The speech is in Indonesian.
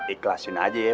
ikhlasin aja ya